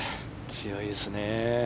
強いですね。